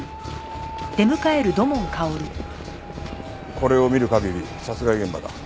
これを見る限り殺害現場だ。